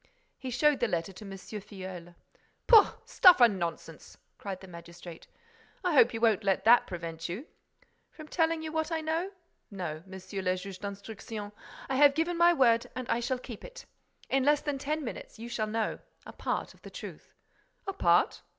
He showed the letter to M. Filleul. "Pooh! Stuff and nonsense!" cried the magistrate. "I hope you won't let that prevent you—" "From telling you what I know? No, Monsieur le Juge d'Instruction. I have given my word and I shall keep it. In less than ten minutes, you shall know—a part of the truth." "A part?"